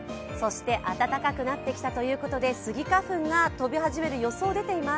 暖かくなってきたということでスギ花粉が飛び始める予想が出ています。